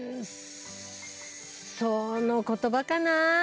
その言葉かな